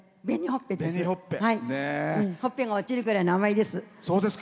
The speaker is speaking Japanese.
ほっぺが落ちるぐらいに甘いです。